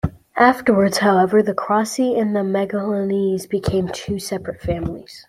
Afterwards, however, the Cossi and Maluginenses became two separate families.